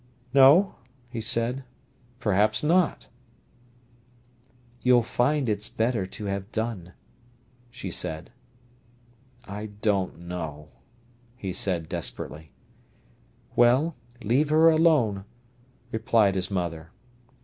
"No," he said, "perhaps not." "You'll find it's better to have done," she said. "I don't know," he said desperately. "Well, leave her alone," replied his mother.